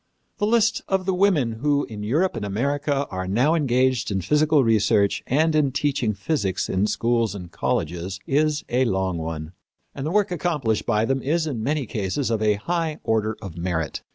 The list of the women who in Europe and America are now engaged in physical research and in teaching physics in schools and colleges is a long one, and the work accomplished by them is, in many cases, of a high order of merit.